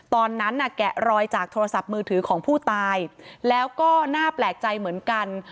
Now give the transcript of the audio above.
ตอนนั้นน่ะแกะรอยจากโทรศัพท์มือถือของผู้ตายแล้วก็น่าแปลกใจเหมือนกัน